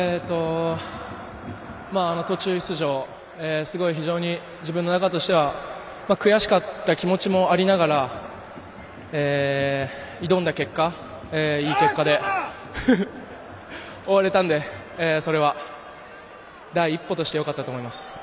途中出場、すごく非常に自分の中としては悔しかった気持ちもありながら挑んだ結果いい結果で終われたのでそれは第一歩としてよかったと思います。